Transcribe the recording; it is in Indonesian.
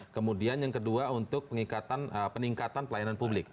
kemudian yang kedua untuk peningkatan pelayanan publik